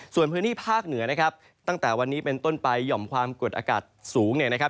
ส่วนพื้นที่ภาคเหนือนะครับตั้งแต่วันนี้เป็นต้นไปหย่อมความกดอากาศสูงเนี่ยนะครับ